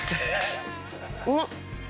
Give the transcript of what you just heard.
うまっ！